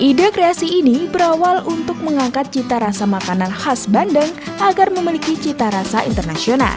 ide kreasi ini berawal untuk mengangkat cita rasa makanan khas bandeng agar memiliki cita rasa internasional